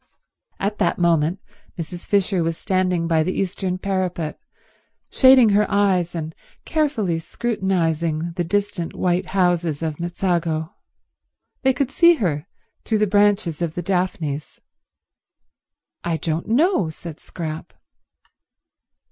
At that moment Mrs. Fisher was standing by the eastern parapet, shading her eyes and carefully scrutinizing the distant white houses of Mezzago. They could see her through the branches of the daphnes. "I don't know," said Scrap.